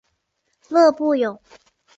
勒布永。